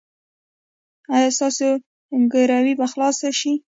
ایا ستاسو ګروي به خلاصه شي؟